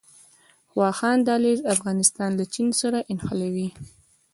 واخان دهلیز افغانستان له چین سره نښلوي